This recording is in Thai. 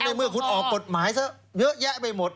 เมื่อคุณออกกฎหมายซะเยอะแยะไปหมด